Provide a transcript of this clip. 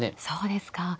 そうですか。